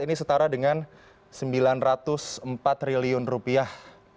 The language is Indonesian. ini setara dengan sembilan ratus empat triliun rupiah